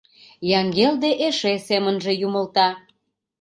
Яҥгелде эше семынже юмылта.